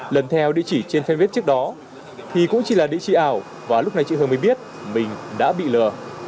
lần theo địa chỉ trên fanpage trước đó thì cũng chỉ là địa chỉ ảo và lúc này chị hương mới biết mình đã bị lừa